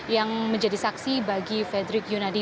yang menjadi saksi bagi fredrik yunadi